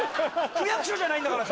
区役所じゃないんだからさ。